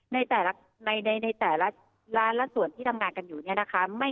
ในแต่ละในแต่ละร้านและส่วนที่ทำงานกันอยู่เนี่ยนะคะ